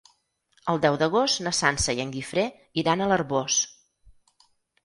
El deu d'agost na Sança i en Guifré iran a l'Arboç.